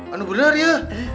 anu benar ya